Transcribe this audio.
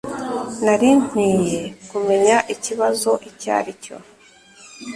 Nari nkwiye kumenya ikibazo icyo ari cyo